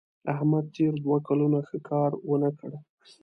احمد تېر دوه کلونه ښه کار ونه کړ.